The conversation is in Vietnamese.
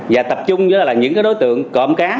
và tập trung với những đối tượng cộm cá